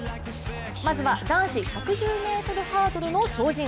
まずは男子１１０ｍハードルの超人。